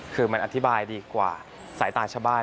คือมันอธิบายดีกว่าสายตาชาวบ้าน